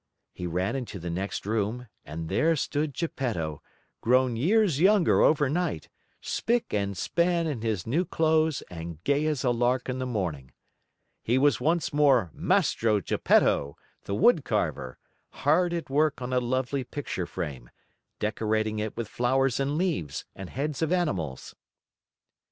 He ran into the next room, and there stood Geppetto, grown years younger overnight, spick and span in his new clothes and gay as a lark in the morning. He was once more Mastro Geppetto, the wood carver, hard at work on a lovely picture frame, decorating it with flowers and leaves, and heads of animals.